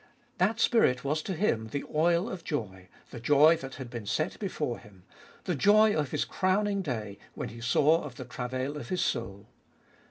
That Spirit was to Him the oil of joy, the joy that had been set before him, the joy of His crowning day when He saw of the travail of His soul.